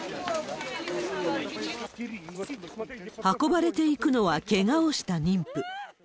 運ばれていくのは、けがをした妊婦。